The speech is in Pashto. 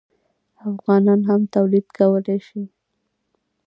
افغانان هم تولید کولی شي.